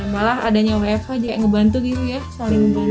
malah adanya wf aja yang ngebantu gitu ya saling ngebantu gitu